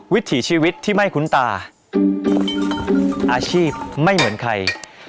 วิถีชีวิตที่ไม่คุ้นตาอาชีพไม่เหมือนใคร